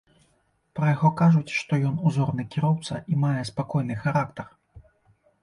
Пра яго кажуць, што ён узорны кіроўца і мае спакойны характар.